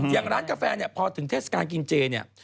อย่างร้านกาแฟเนี่ยพอถึงเทศกาลกินเจเนี่ย